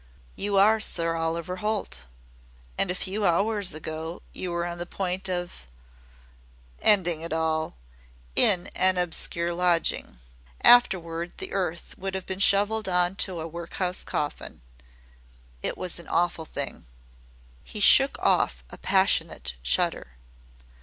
"You are Sir Oliver Holt! And a few hours ago you were on the point of " "Ending it all in an obscure lodging. Afterward the earth would have been shovelled on to a work house coffin. It was an awful thing." He shook off a passionate shudder.